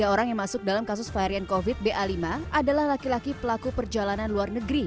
tiga orang yang masuk dalam kasus varian covid ba lima adalah laki laki pelaku perjalanan luar negeri